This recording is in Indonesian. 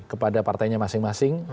kepada partainya masing masing